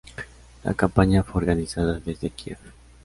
La campaña fue organizada desde Kiev.